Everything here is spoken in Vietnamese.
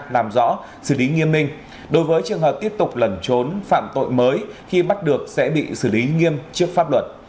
làm rõ xử lý nghiêm minh đối với trường hợp tiếp tục lẩn trốn phạm tội mới khi bắt được sẽ bị xử lý nghiêm trước pháp luật